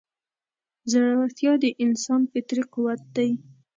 زړهورتیا د انسان فطري قوت دی.